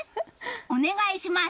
お願いします！